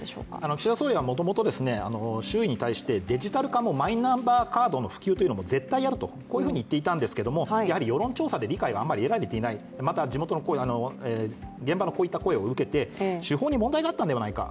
岸田総理はもともと周囲に対してデジタル化もマイナンバーカードの普及も絶対やるというふうにいっていたんですけれどもやはり世論調査で理解があんまり得られていない、また現場の声を受けて手法に問題があったのではないか。